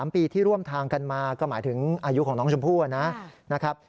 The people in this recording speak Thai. ๓ปีที่ร่วมทางกันมาก็หมายถึงอายุของน้องชมพู่นะครับ